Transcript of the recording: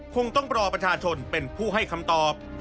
คงต้องรอประชาชนเป็นผู้ให้คำตอบ